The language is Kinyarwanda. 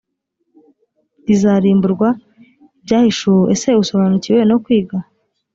rizarimburwa ibyahishuwe ese usobanukiwe no kwiga